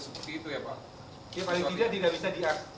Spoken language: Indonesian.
seperti itu ya pak